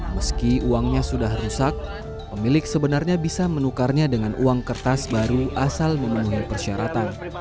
meski uangnya sudah rusak pemilik sebenarnya bisa menukarnya dengan uang kertas baru asal memenuhi persyaratan